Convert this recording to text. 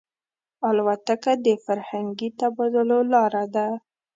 الوتکه د فرهنګي تبادلو لاره ده.